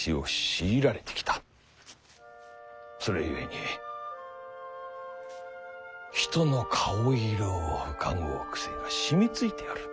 それゆえに人の顔色をうかごう癖がしみついておる。